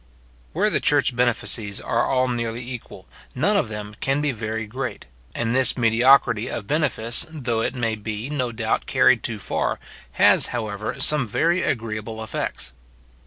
Where the church benefices are all nearly equal, none of them can be very great; and this mediocrity of benefice, though it may be, no doubt, carried too far, has, however, some very agreeable effects.